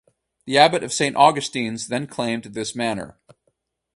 The abbot of Saint Augustine's then claimed this manor.